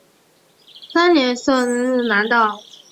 三年设赣南道。